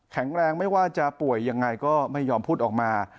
แข็งแรงไม่ว่าจะป่วยยังไงก็ไม่ยอมพูดออกมา